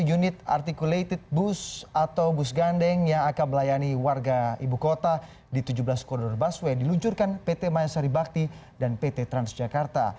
dua puluh unit articulated bus atau bus gandeng yang akan melayani warga ibu kota di tujuh belas koridor busway diluncurkan pt maya saribakti dan pt transjakarta